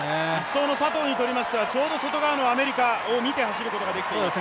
１走の佐藤にとりましては、ちょうど外側のアメリカを見て走ることができます。